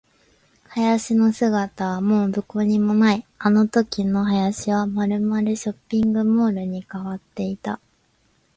林の姿はもうどこにもない。あのときの林はまるまるショッピングモールに変わっていた。